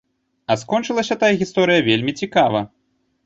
А скончылася тая гісторыя вельмі цікава.